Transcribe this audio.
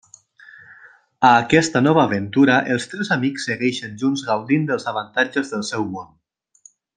A aquesta nova aventura els tres amics segueixen junts gaudint dels avantatges del seu món.